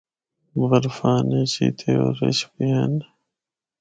برفانی چیتے ہور رِچھ بھی ہن۔